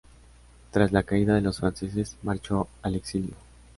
Tras la caída de los franceses marchó al exilio.